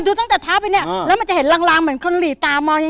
ดูตั้งแต่เท้าไปเนี่ยแล้วมันจะเห็นลางลางเหมือนคนหลีตามองยัง